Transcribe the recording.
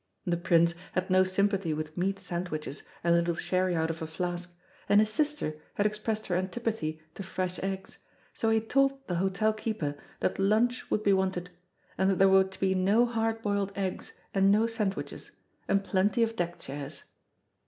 The Prince had no sympathy with meat sandwiches and a little sherry out of a flask, and his sister had expressed her antipathy to fresh eggs; so he had told the hotel keeper that lunch would be wanted, and that there were to be no hard boiled eggs and no sandwiches, and plenty of deck chairs.